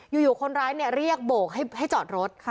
อยู่คนร้ายเรียกโบกให้จอดรถ